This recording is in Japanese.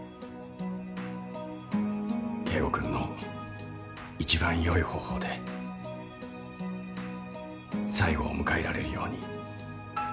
圭吾君の一番良い方法で最後を迎えられるように。